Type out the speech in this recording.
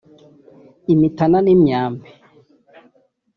imitana n’imyambi